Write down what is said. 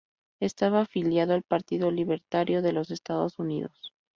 Estaba afiliado al Partido Libertario de los Estados Unidos.